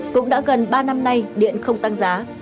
cũng đã gần ba năm nay điện không tăng giá